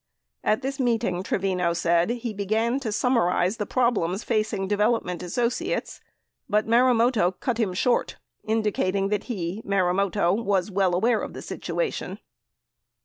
At this meeting, Trevino said, he began to summarize the prob lems facing Development Associates, but Marumoto cut him short, indicating that he (Marumoto) was well aware of the situation.